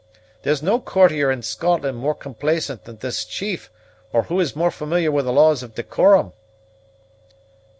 There's no courtier in Scotland more complaisant than this chief, or who is more familiar with the laws of decorum."